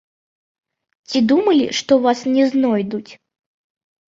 Ці думалі, што вас не знойдуць?